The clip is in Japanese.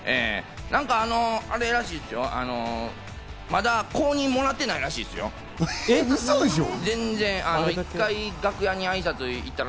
何か、あの、あれらしいっすよ、まだ公認もらってないらしいっす嘘でしょ？